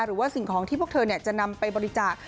หรือว่าสิ่งของที่พวกเธอจะนำไปบริจาค